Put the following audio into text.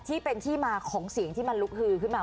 ที่เป็นที่มาของเสียงที่มันลุกฮือขึ้นมา